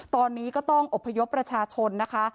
ตอนนี้ก็ต้องอบพยพประชาชนนะคะ